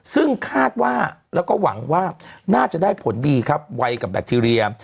ซึ่งคาดว่าแล้วก็หวังว่าน่าจะได้ผลดีครับไวกับแบคทีเรีย